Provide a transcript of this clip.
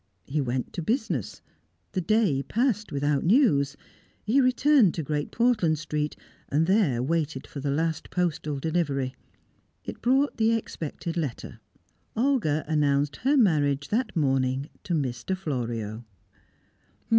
He went to business; the day passed without news; he returned to Great Portland Street, and there waited for the last postal delivery. It brought the expected letter; Olga announced her marriage that morning to Mr. Florio.